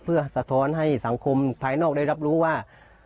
เพื่อสะท้อนให้สังคมภายนอกได้รับรู้ว่า